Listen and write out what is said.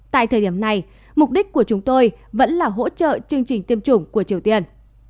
tại thời điểm này mục đích của chúng tôi vẫn là hỗ trợ chương trình tiêm chủng của triều tiên